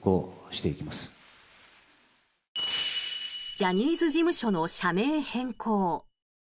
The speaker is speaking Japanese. ジャニーズ事務所の社名変更。